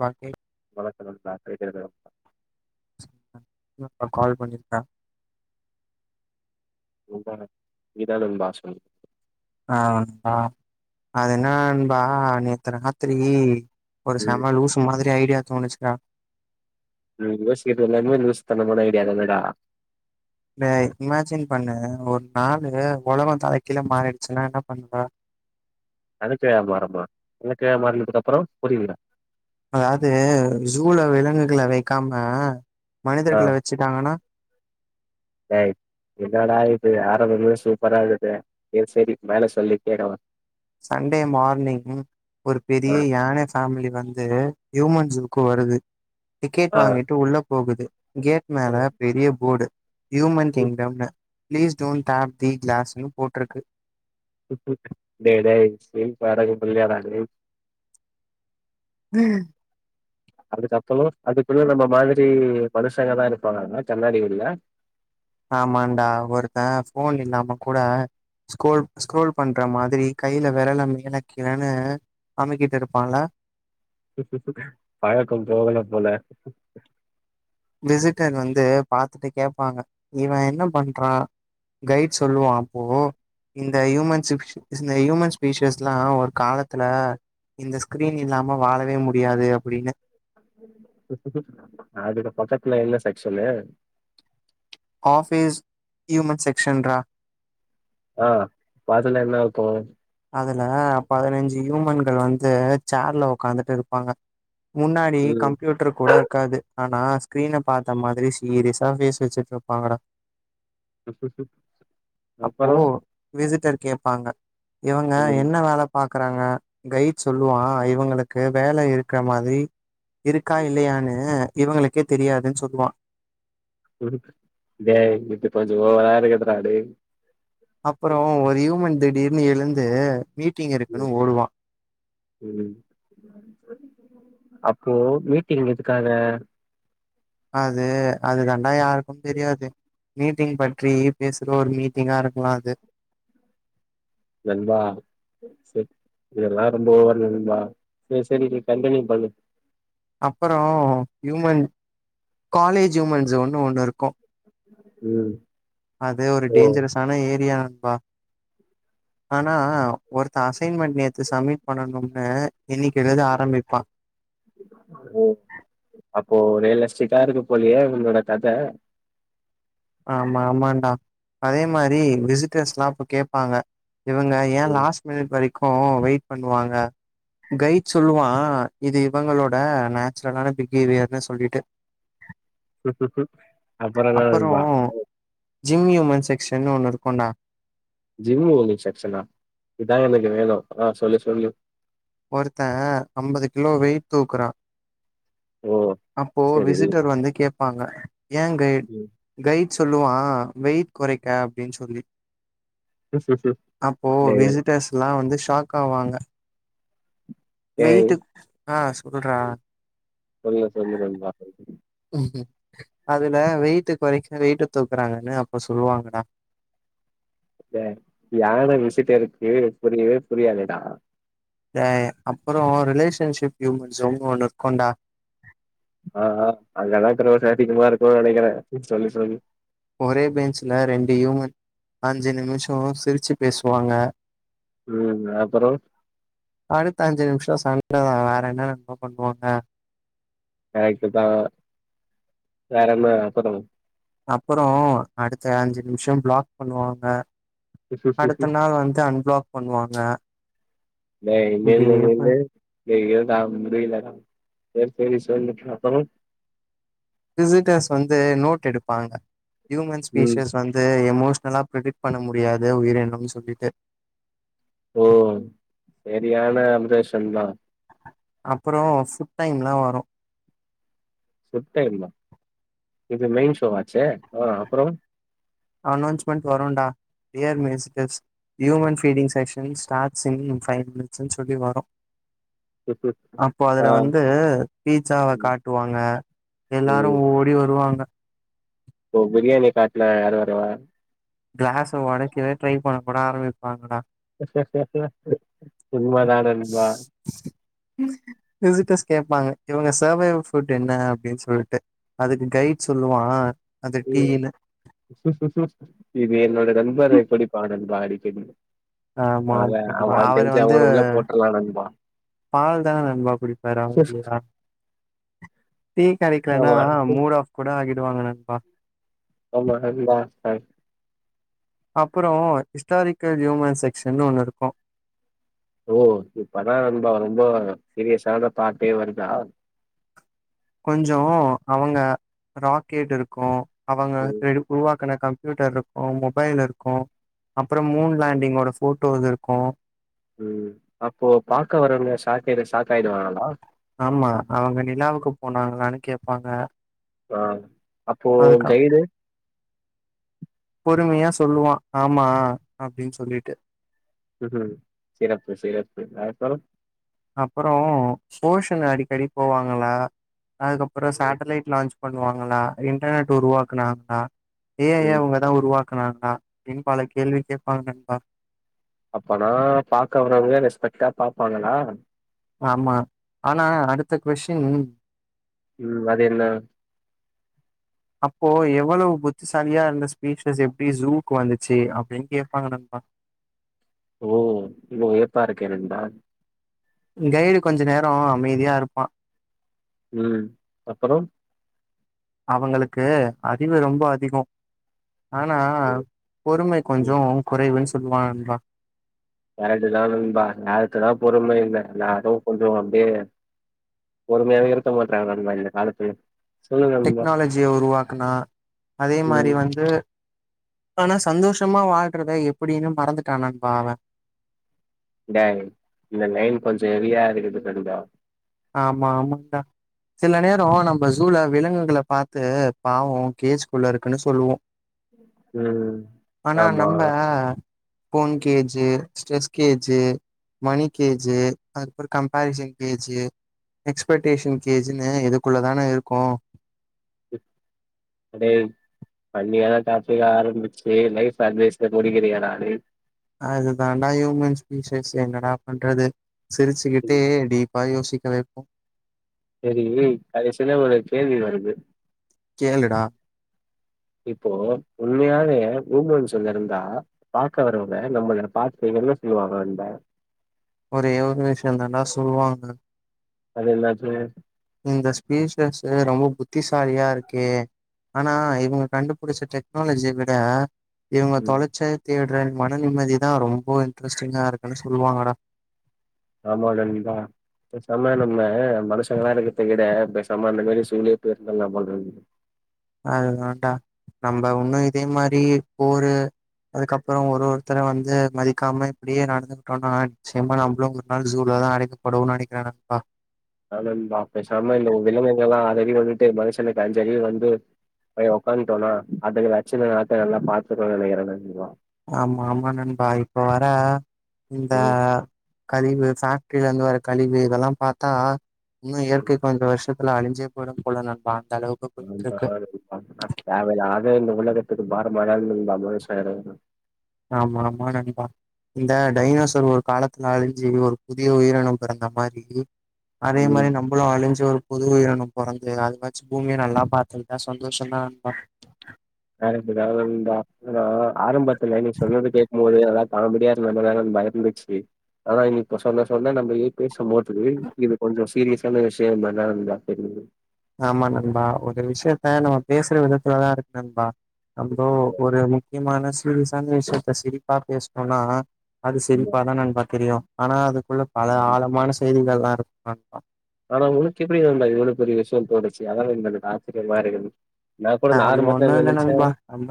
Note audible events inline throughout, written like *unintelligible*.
பாட்டி வணக்கம் நான் *unintelligible* உம் கால் பண்ணிருக்க நீ தான் நண்பா நீ தான் நண்பா சொல்லு ஆஹ் பா அது என்ன நண்பா நேத்து ராத்திரி ஒரு ம் செம லூசு மாதிரி ஐடியா தோனுச்சுடா உம் யோசிக்குறது எல்லாமே லூசு தனமான ஐடியா தானடா இல்ல இமேஜின் பண்ணேன் ஒரு நாளு ஒலகம் தல கீழா மாறிடுச்சுன்னா என்ன பண்ணுவ தல கீழா மாறுமா தல கீழா மாறனதுக்கு அப்புறம் புரியல அதாவது ஜூல விலங்குகளை வைக்காம மனிதர்கள ஆஹ் வச்சுட்டாங்கன்னா ஏய் என்னாடா இ து ஆரம்பமே சூப்பரா இருக்குது செரி செரி மேல சொல்லு கேக்கலாம் சண்டே மார்னிங் ஒரு ஆ பெரிய யானை ஃபேமிலி வந்து ஹியூமன் ஜூக்கு வருது டிக்கெட் ஆ வாங்கிட்டு உள்ள போகுது கேட் மேல ம். பெரிய போர்டு யூமன் கிங்டம்ன்ன பிளீஸ் டோன்ட் டாப் தி கிளாஸ்னு போட்டுற்க்கு டேய் டேய் ஸ்கிரீன் ஃபேடாயிடும் தெரியாதாடா டேய் அங்கு சத்துனுஸ் அதுக்குள்ள நம்ம மாதிரி மனுசங்கதா இருப்பாங்கா கண்ணாடி உள்ள ஆமாண்டா ஒருத்தன் போன் இல்லாம கூட ஸ்கூரோல் ஸ்கூரோல் பண்ற மாதிரி கையில விரல மேல கிழனு அமிக்கிட்டு இருப்பான்ல பழக்கம் போகல போல விசிட்டர் வந்து பாத்துட்டு கேப்பாங்க இவன் என்ன பண்றான் கைட் சொல்லுவான் அப்போ இந்த ஹூமன் சிப்ஷு இந்த ஹியூமன் ஸ்பீசியஸ்லா ஒரு காலத்துல இந்த ஸ்கிரீன் இல்லாம வாழவே முடியாது அப்டின்னு அதுக்கு பக்கத்துல என்ன செக்ஷன்னு ஆஃப்பீஸ் ஹூமன் செக்ஷன் ரா ஆ பாத்துகலாம் என்ன இப்போம் அதுல பதினைஞ்சு ஹியூமன்கள் வந்து சேர்ல உட்காந்துட்டு இருப்பாங்க முன்னாடி கம்ப்யூட்டர் கூட இருக்காது ஆனா ஸ்கிரீன் பாத்த மாதிரி சீரிசா பேஸ் வச்சுட்டு இருப்பாங்கடா ம் அப்போ அப்புறம் விசிட்டர் கேட்பாங்க இவங்க ம் என்ன வேலை பாக் க்கறாங்க கைட் சொல்லுவான் இவங்களுக்கு வேலை இருக்கற மாதிரி இருக்கா இல்லையான்னு இவங்களுக்கே தெரியாதுன்னு சொல்லுவான் டேய் இது கொஞ்சம் ஓவரா இருக்குது டா டேய் அப்பறம் ஒரு யூமன் டெட் இன்னிலிருந்து மீட் டீ ம் கடைக்குன்னு ஓடுவான் அப்போ மீட்டிங் எதுக்காக அது அது தாண்டா யாருக்கும் தெரியாது மீட்டிங் பற்றி பேசுற ஒரு மீட்டிங்கா இருக்கலாம் அது நண்பா சரி இதலெல்லாம் ரொம்ப ஓவர் நண்பா சரி சரி நீ கண்டியூ பண்ணு அப்புறம் ஹியூமன் காலேஜ் ஹியூமன்ஸ் ஒண்ணு ஒண்ணு இருக்கும் உம் அதே ஒரு டேஞ்சரஸ்சான ஏரியான் பா ஆனா ஒருத்தர் அசைன்மெண்ட் நேத்து சப்மிட் பண்ணனும்ன்னு இன்னிக்க இததான் ஆரம்பிப்பான் ரியல் எஸ்டிக்கா இருக்க போறியே உங்களோட கதை ஆமா ஆமாடா அதே மாரி விசிட்டர்ஸ்லா இப்ப கேட்பாங்க இவங்க ஏன் ம் லாஸ்ட் மினிட் வரைக் கோம் வைட் பண்ணுவாங்க கைட் சொல்லுவான் இது இவங்களோட நேச்சுரலான பிஹேவியர்னு சொல்லிட்டு அப்புறம் *unintelligible* ஜிம்முனு செக்க்ஷன்னு ஒன்னு இருக்கும்டா ஜிம்மு ஒங்க செக்க்ஷனா இதான் எனக்கு வேணும் ஆஹ் சொல்லு சொல்லு ஒருத்தன் ஐம்பது கிலோ வெய்ட் தூக்குறான் ஓ அப்போ சரி விசிட்டர் வந்து கேப் இருபாங்க ஏ கைட் ம் கைட் சொல்லுவான் வெயிட் குறைக்க அப்டின்னு சொல்லி அப்போ டேய் விசிட்டர்ஸ் எல்லா வந்து தாக்க வாங்க டேய் வெயிட்டு ஆஹ் சொல்றா சொல்லு சொல்லு நண்பா உம் அதுல வெயிட்டுக் கொரக்க வெயிட்ட தூக்குறாங்கன்னு அப்ப சொல்லுவாங்கடா யானை விசிட்டருக்கு புரியவே புரியதுடா அப்றோம் ரிலேஷன்ஷிப் ஹியூமன்ஸ ஒன்னு நிற்கோண்டா ஆஹ் அங்கதான் இத்துன வருஷம் அதிகமா இருக்கும்னு நெனக்கிறேன் சொல்லு சொல்லு ஒரே பெஞ்சுல ரெண்டு யூமன் அஞ்சு நிமிஷம் சிரிச்சி பேசுவாங்க ம் அப்பறோ அடுத்த அஞ்ச நிமிஷம் சன் இதான் வேற என்ன நண்பா பண்ணுவாங்க கரெக்டு தான் வேறன்ன அப்பறம் அப்புறம் அடுத்த அஞ்சு நிமிஷம் பிளாக் பண்ணுவாங்க அடுத்த நாள் வந்து அன்பிளாக் பண்ணுவாங்க ஏய் இருடா முடியலடா சரி சரி சொல்லு அப்புறம் விசிட்டர்ஸ் வந்து நோட் எடுப்பாங்க ஹியூமன் ம் ஸ்பீஷிஸ் வந்து எமோஷ் ல்லாம் பிரடிக் பண்ண முடியாத உயிரினம் சொல்லிட்டு ஓ சரியான அபதேஷன் தான் அப்றம் ஃபுட் டைம்லாம் வரும் ஃபுட் டைமா இது மெயின் ஷோ ஆச்சே ஆஹ் அப்றோம் அனௌன்ஸ்மென்ட் வரும்டா year musics human feeding section ஸ்டார சிை் மினிட்ஸ்ன்னு சொல்லி வரும் அப்போ ஆ அதுல வந்து பீச்சாவ ம் காட்டுவாங்க எல்லாரும் ஓடி வருவாங்க ஓ பிரியாணி காட்டுல யாரு வருவ கிளாஸ் உடைக்கவே ட்ரை பண்ண கூட ஆரம்பிப்பாங்கடா அ சும்மா தா நண்பா விசிட்டர்ஸ் கேப்பாங்க இவங்க சர்வைவ் ஃபுட் என்ன அப்டின்னு சொல்ட்டு அதுக்கு கைட் சொல்லுவான் அது டீன்னு உஹம் இனி என்னோட நண்பர் எப்படி பாடல் பாடி *inaudible* ஆமா ஆமா ஆ அவரு வந்து உள்ள போட்றலா நண்பா பால் தா நண்பா குடிப்பாரு அவரு யா டீ கடக்கிலனா ஆமா மூட் ஆஃப் கூட ஆக வாங்க நண்பா ஆமா நண்பா ஆ அப்புறம் ஹிஸ்டாரிக்கல் ஹியூமன் செக்க்ஷன் ஒண்ணு இருக்கும் ஓ இப்பதான் நண்பா ரொம்ப சீரியஸான பாட்டே வருதா கொஞ்சம் அவங்க ராக்கெட் இருக்கும் அவங்க ம் ரெ உருவா கம்ப்யூட்டர் இருக்கும் மொபைல் இருக்கும் அப்புறம் மூன் லேண்டிங்கோட ஃபோட்டோ இது இருக்கும் உம் அப்போ பாக்க வரவங்க சா ஆமா அவங்க நிலாவுக்கு போனாங்களான்னு கேட்பாங்க ஆஹ அப்போ கைடு பொறுமையா சொல்லுவா ஆமா அப்படின்னு சொல்லிட்டு உம் சிறப்பு சிறப்பு அதுக்கப்புறம் அப்புறம் போஷன் அடிக்கடி போவாங்களா அதுக்கப்புறம் ம் சேட்லைட் லான்ச் பண்ணுவாங்களா இன்டர்நெட் உருவாக்குனாங்களா ஏன் ஐ ய ம். அவங்க தான் உருவா *unintelligible* இன்பால கேள்வி கேட்பாங்க நண்பா அப்பனா பாக்க வறவங்க ரெஸ்பெக்ட்டா பாப்பாங்களா ஆமா ஆனா அடுத்த கொஸ்டின் உம் அது என்ன அப்போ எவ்வளவு புத்திசாலியா இருந்த ஸ்பீஷஸ் எப்படி ஜூக்கு வந்துச்சு அப்படின்னு கேட்பாங்க நண்பா ஓ ஓ இல்பா இருக்கியா நண்பா கைடு கொஞ்ச நேரம் அமைதியா இருப்பான் உம் அப்புறம் அவங்களுக்கு அறிவு ரொம்ப அதிகம் ஆனா பொறும ம் கொஞ்சோ குறைவுன்னு சொல் துள்ளாதான் கரெக்ட் தான் நண்பா ஞாயத்துக்குத்தான் பொறுமை இல்ல நானு கொஞ்சோ அப்படியே பொறுமையாக இருத்த மாட்டாங்க நண்பா இந்த காலத்துல சொல்லுங்க நண்பா டெக்னாலஜியை உருவாக்குனா அதே மாதிரி ம் வந்து ஆனா சந்தோஷமா வாழ்றத எப்படின்னு மறந்துட்ட நண்பா அவன் டைய் இந்த லைன் கொஞ்சோ ஹெவியா இருக்குது நண்பா ஆமா ஆமா டா சில நேரம் நம்ம சூவ்ல விலங்குகள பார்த்து பாவம் கேஸ்க்குள்ள இருக்குன்னு சொல்லுவோம் ம் ஆனா ஆமா நம்ம ஃபோன் கேஜி ஸ்டஸ் கேஜி மணி கேஜி அதுற கம்பாரசன் கேஜி எக்ஸ்பெக்டேஷன் கேஜின்னு இதுக்குள்ளதானே இருக்கும் அடேய் பண்ணியான டாப்பிக்க ஆரம்பிச்சு லைப் அட்வைஸ்ல முடிக்கிறியேடா அடேய் அதுதாண்டா ஹியூமன் ஸ்பீசிஸ் என்னடா பண்றது சிரிச்சுக்கிட்டே ம், டிப் வாயோசிக்கலைக்கும் சரி கடைசில ஒரு கேள்வி வருது கேளுடா இப்போ உண்மயாவே ஊமன்ஸ் இருந்தா பாக்க வரவங்க நம்மளை பாத்து என்ன சொல்லுவாங்க நண்பா ஒரே ஒரு விஷயம் தான் டா சொல்லுவாங்க அது என்னச்சு இந்த ஸ்பீசஸ் ரொம்ப புத்திசாலியா இருக்கே ஆனா இவங்க கண்டுபிடிச்ச டெக்னாலஜிய விட இவங்க ம் தொலைச்ச தேடு ஃப்ரெண்ட் மன நிம்மதிதான் ரொம்ப இன்ட்ரெஸ்ட்டிங்கா இருக்குன்னு சொல்லுவாங்கடா ஆமா நண்பா பேசாம நம்ம மனுஷங்களா இருக்கத்தவிட பேசாம அந்த மாரி ஜுவ்லா இருந்திடாலம் போல அ வோன்ண்டா நம்ம ஒன்னும் இதே மாரி போரு அதுக்கப்பறம் ஒரு ஒருத்தர வந்து மதிக்காம இப்டியே நடந்துகிட்டோம்னா நிச்சயமா நம்மளும் ஒரு நாள் ஜூலதான் அடைக்கப்படன்னனு நெனக்கிறேன் நானப்பா ஆ நண்பா பேசாம இந்த விலங்குகள்லாம் அத அடி வந்துட்டு மனுஷனுக்கு அஞ்சறியவும் வந்து உக்காந்துட்டோம் அதுக்கு வச்சன நாத்த நல்லா பாத்துக்கோ நினைக்கிறேவா ஆமா ஆமா நண்பா இப்போ வர இந்த ம் கழிவு சார் வெற்றில இருந்து வர கழிவு இதெலாம் பாத்தா இன்னும் ம். *unintelligible* வருஷத்து *unintelligible* அழிஞ்சே போயிடும் போல நண்பா அளவுக்கு போயிட்டு இருக்கு *unintelligible* தேவ இல்லாத இந்த உலகத்துக்கு பார *unintelligible* பாமா சாய் ஆமா ஆமா நண்பா இந்த டைனோசர் ஒரு காலத்துல அழிஞ்சு ஒரு புதிய உயிரணும் பிறந்த மாரி அதே ம் மாரி நம்மளும் அழிஞ்ச ஒரு புது உயிரணும் பிறந்து அது வச்சு பூமிய நல்லா பாத்தட்டுதான் சந்தோஷம் தான் நண்பா *unintelligible* அட அ ஆரம்ப இல்ல நீங்க சொன்னத கேக்கும் போது அதாது பபடியா நம்மதான பயந்துச்சு அதனான் இ இப்ப சொன்ன சொன்னா நம்ம ஏ பேச இது இது கொஞ்சம் சீரியஸ் இத்தன விஷயம் மனந்தா ஆமா நண்பா ஒரு விஷயத்த நம்ம பேசுற விதத்துலதான் இருக்கு நண்பா அம்போ ஆமா, ஒரு முக்கியமான சிறி ச விஷத்த சிரிப்பா பேசணும்னா அது ஆமா, சிரிப்பாதான் நன்பா தெரியும் ஆனா அது உள்ள பல ஆமா. ஆழமான செய்திகள் நல்லா இரு *unintelligible* ஆனா உனக்கு எப்டி வண்டாது இவ்ள பெரிய விஷயம்மாச்சு அதெல்லாம் இந்த ஆச்சரிய மா இரு அது ஒண்ணும் இல்ல நம்பா நம்ம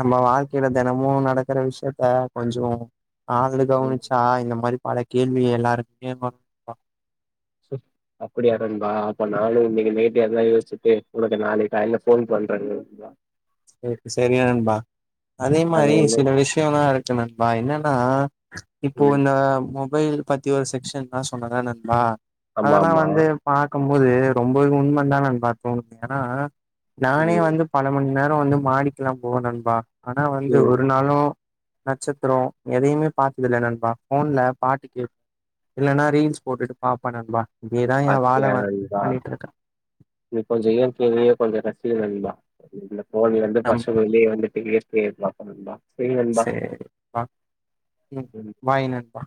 நம்ம வாழ்க்கைல தினமும் நடக்கற விஷயத்த கொஞ்சம் அதுல கவனிச்சா இந்த மாரி பல கேள்வி எல்லாருக்குமே வ வ அப்படியா நம்பா அப்ப நானும் இன்னைக்கு நைட்டு எதன யோசிச்சுட்டு உனக்கு நாளைக்கு காலைல போன் பண்றேன் வா செரிங்க நண்பா அதே அது மாரி வந்து சில விஷயம்லாம் இருக்கு நண்பா என்ன ஆஹ் இப்போ ம். இந்தா மொ மொபைல் பத்தி ஒரு செக்ஷன்ல்லான் சொன்னல நண்பா அதெல்லாம் ஆமாமா. வந்து பாக் பார்கும்போது ரொம்பவே உன்மன் தான் நண்பா தோணுது ஏன்னா நானே ம், வந்து பல மணி நேரோ வந்து மாடிக்கலாம் போவேன் நண்பா ஆனா வந்து ம். ஒரு நாளும் நட்சத்திரம் எதையுமே பார்த்ததுல்ல நண்பா போன்ல பாட்டு கே இல்லன்னா ரீல்ஸ் போட்டுட்டு பார்ப்பன் நண்பா இதேதா எ வாழ பாத்தியா நண்பா பண்ணிட்டு இருக்கே நீ கொஞ்சம் இயற்கையயே கொஞ்சம் ரசி நண்பா போன்ல இருந்து நம் ஃபர்ஸ்ட் வெளியே வந்துட்டு கேப்பா *unintelligible* செரி பாய் நண்பா